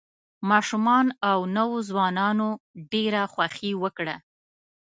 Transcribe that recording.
ماشومانو او نوو ځوانانو ډېره خوښي وکړه.